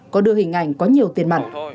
có đưa hình ảnh có nhiều tiền mặt